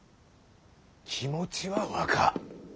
気持ちは分かぁ。